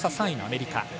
３位のアメリカ。